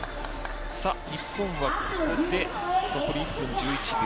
日本はここで残り１分１１秒。